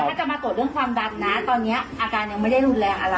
ถ้าจะมาตรวจเรื่องความดันนะตอนนี้อาการยังไม่ได้รุนแรงอะไร